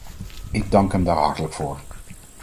Ik dank hem daar hartelijk voor.